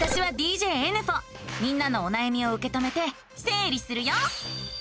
みんなのおなやみをうけ止めてせい理するよ！